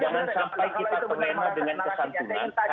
jangan sampai kita terlena dengan kesantunan